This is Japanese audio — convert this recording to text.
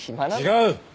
違う！